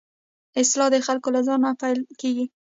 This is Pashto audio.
اصلاح د خلکو له ځان نه پيل کېږي.